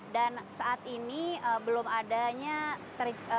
dan saat ini berlaku